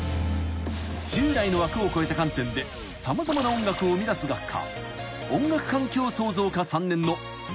［従来の枠を超えた観点で様々な音楽を生みだす学科］